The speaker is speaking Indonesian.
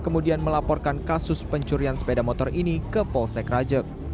kemudian melaporkan kasus pencurian sepeda motor ini ke polsek rajek